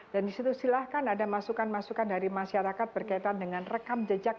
dan disitu silahkan ada masukan masukan dari masyarakat berkaitan dengan rekam jejak